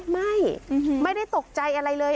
ไม่ได้ตกใจอะไรเลย